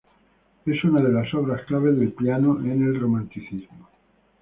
Es una de las obras clave del piano en el Romanticismo.